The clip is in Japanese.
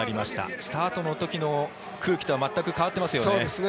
スタートの時の空気とは全く変わっていますよね。